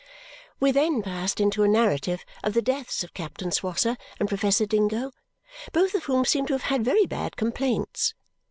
We then passed into a narrative of the deaths of Captain Swosser and Professor Dingo, both of whom seem to have had very bad complaints.